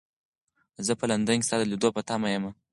زه په لندن کې ستا د لیدلو په تمه یم.